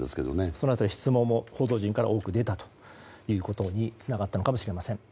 その辺り、質問も報道陣から多く出たことにつながったのかもしれません。